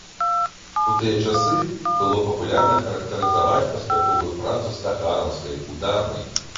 У тыя часы было папулярна характарызаваць паспяховую працу стаханаўскай, ударнай.